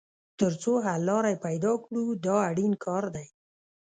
تر څو حل لاره یې پیدا کړو دا اړین کار دی.